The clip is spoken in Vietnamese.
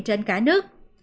trên cảnh sát